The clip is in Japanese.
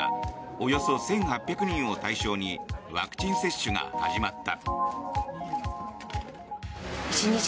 およそ１８００人を対象にワクチン接種が始まった。